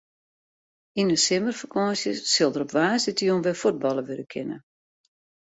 Yn de simmerfakânsje sil der op woansdeitejûn wer fuotballe wurde kinne.